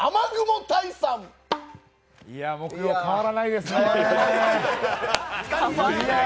変わらないですね。